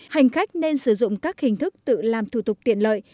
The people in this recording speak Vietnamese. hành khách nên sử dụng các hình thức tự làm thủ tục tiện lợi